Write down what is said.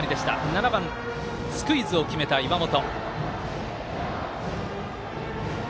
７番、スクイズを決めた岩本。